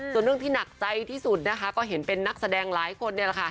ส่วนเรื่องที่หนักใจที่สุดนะคะก็เห็นเป็นนักแสดงหลายคนเนี่ยแหละค่ะ